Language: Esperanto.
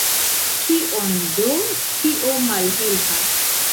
Kion do tio malhelpas?